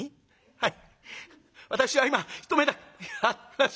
「はい。